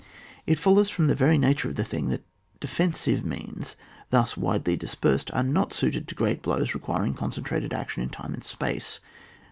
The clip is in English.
It follows from the very nature of the thing that defensive means thus widely dispersed, are not suited to great blows requiring concentrated action in time and space.